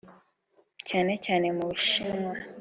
cyane cyane mu Bushinwa